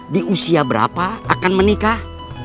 di usia berapa akan menikah